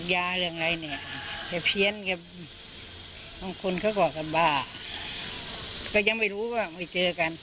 เรื่องอะไรเนี่ยแต่เพี้ยนกันบางคนเขาก็บ้าก็ยังไม่รู้ว่าไม่เจอกัน